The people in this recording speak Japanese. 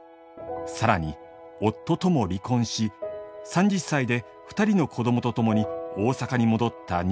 更に夫とも離婚し３０歳で２人の子どもと共に大阪に戻った西田さん。